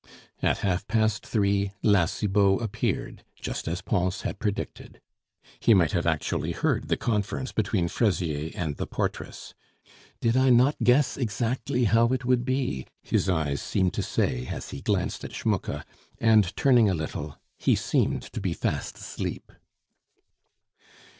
At half past three, La Cibot appeared, just as Pons had predicted. He might have actually heard the conference between Fraisier and the portress: "Did I not guess exactly how it would be?" his eyes seemed to say as he glanced at Schmucke, and, turning a little, he seemed to be fast asleep.